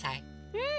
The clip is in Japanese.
うん！